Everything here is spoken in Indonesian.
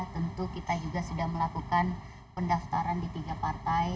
tentu kita juga sudah melakukan pendaftaran di tiga partai